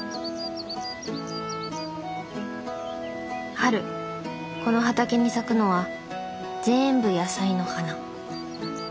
春この畑に咲くのは全部野菜の花。